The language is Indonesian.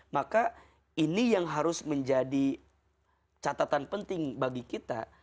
maka ini yang harus menjadi catatan penting bagi kita